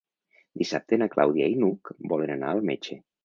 Dissabte na Clàudia i n'Hug volen anar al metge.